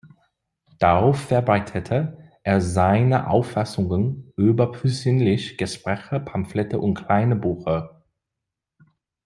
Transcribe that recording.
Darauf verbreitete er seine Auffassungen über persönliche Gespräche, Pamphlete und kleine Bücher.